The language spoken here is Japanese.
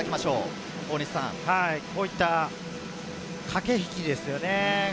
こういった駆け引きですよね。